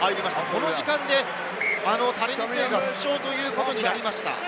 この時間でタレニ・セウが負傷ということになりました。